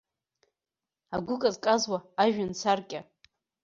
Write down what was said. Агәы казказуа ажәҩан саркьа.